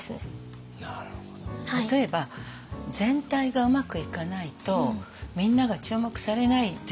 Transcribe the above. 例えば全体がうまくいかないとみんなが注目されないですよね。